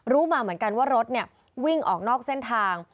รู้มาเหมือนกันว่ารถวิ่งออกนอกเส้นทาง